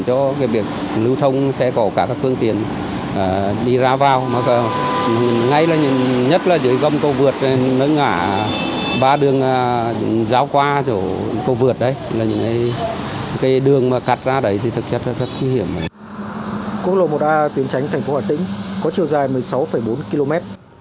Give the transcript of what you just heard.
cục lộ một a tuyên tránh thành phố hà tĩnh có chiều dài một mươi sáu bốn km